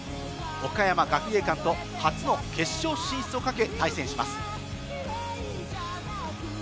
岡山学芸館と初の決勝進出を懸け対戦します。